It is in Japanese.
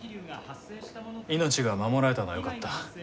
命が守られたのはよかった。